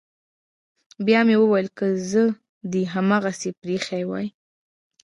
بيا مې وويل که زه دې هماغسې پريښى واى.